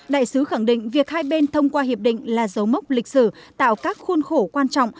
đại sứ khẳng định việc hai bên thông qua hiệp định là dấu mốc lịch sử tạo các khuôn khổ quan trọng